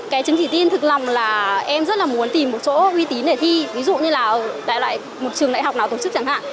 cái chứng chỉ tin thực lòng là em rất là muốn tìm một chỗ uy tín để thi ví dụ như là ở lại một trường đại học nào tổ chức chẳng hạn